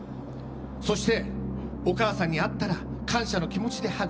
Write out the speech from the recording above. そして、お母さんに会ったら感謝の気持ちでハグ。